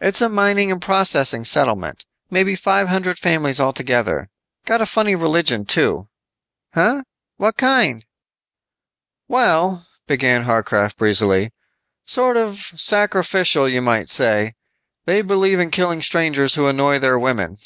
"It's a mining and processing settlement. Maybe five hundred families altogether. Got a funny religion, too." "Huh, what kind?" "Well," began Harcraft breezily, "sort of sacrificial you might say. They believe in killing strangers who annoy their women."